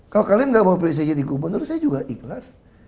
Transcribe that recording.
kalau kalian nggak mau pilih saya jadi gubernur saya juga ikhlas